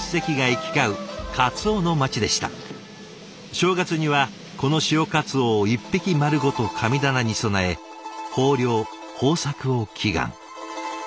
正月にはこの潮かつおを１匹丸ごと神棚に供え豊漁・豊作を祈願。